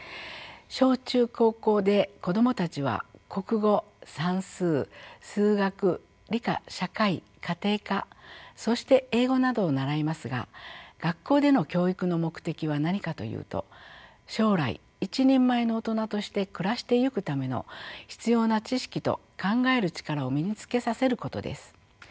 小中高校で子どもたちは国語算数数学理科社会家庭科そして英語などを習いますが学校での教育の目的は何かというと将来一人前の大人として暮らしていくための必要な知識と考える力を身につけさせることです。